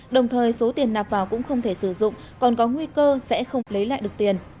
đồng thời số tiền nạp vào cũng không thể sử dụng còn có nguy cơ sẽ không lấy lại được tiền